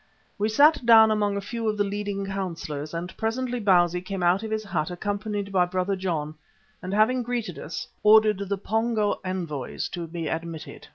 We sat down among a few of the leading councillors, and presently Bausi came out of his hut accompanied by Brother John, and having greeted us, ordered the Pongo envoys to be admitted.